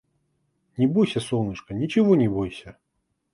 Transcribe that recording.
Не бойся солнышко, ничего не бойся.